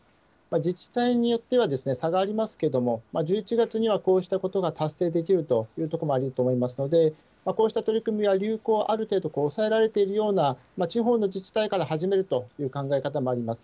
自治体によっては、差がありますけれども、１１月にはこうしたことが達成できるという所もあると思いますので、こうした取り組みは流行がある程度抑えられているような、地方の自治体から始めるという考え方もあります。